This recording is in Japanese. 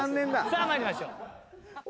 さあ参りましょう。